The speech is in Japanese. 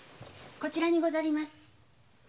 こちらでございます。